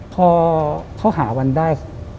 พอเขาหาวันได้